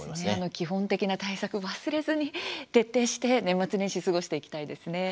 基本的な対策、忘れずに徹底して年末年始過ごしていきたいですね。